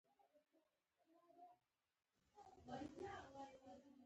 میخانیک د جسمونو حرکت مطالعه کوي.